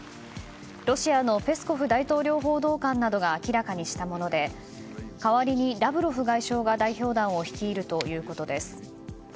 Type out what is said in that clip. ロシアのペスコフ大統領報道官などが明らかにしたもので代わりにラブロフ外相が代表団を率いるということです。